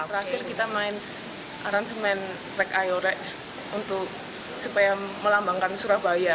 terakhir kita main aransemen rek ayore untuk supaya melambangkan surabaya